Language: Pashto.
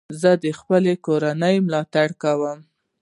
زه د خپلي کورنۍ ملاتړ کوم.